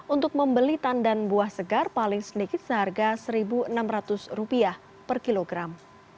untuk membeli tandan buah segar paling sedikit seharga rp satu enam ratus per kilogram